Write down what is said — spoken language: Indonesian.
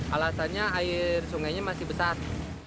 alasannya air sungainya masih besar